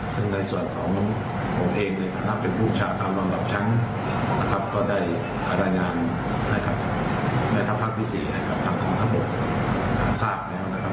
ทำต่ออัคษีของทางทางทะบกทั้งหมดอาชากรแล้วนะครับ